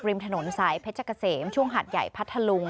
ริมถนนสายเพชรเกษมช่วงหาดใหญ่พัทธลุง